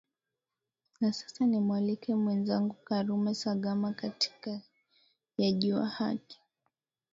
na sasa ni mwalike mwezangu karume sagama katika ya jua haki